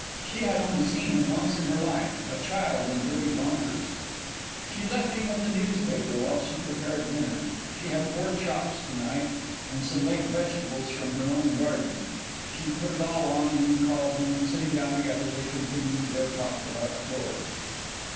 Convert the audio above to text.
She had only seen him once in her life a child in dirty rompers. She left him with the newspaper while she prepared dinner she had four chops to night and some late vegetables from her own garden. She put it all on and then called him, and sitting down together they continued their talk about George.